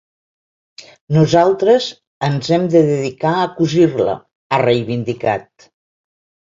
Nosaltres ens hem de dedicar a cosir-la, ha reivindicat.